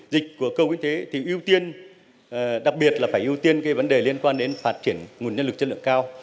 điều này đồng nghĩa với định hướng ưu tiên phát triển nguồn nhân lực chất lượng cao